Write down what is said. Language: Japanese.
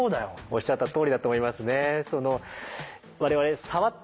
おっしゃったとおりだと思いますね。